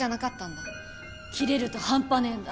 キレると半端ねえんだ。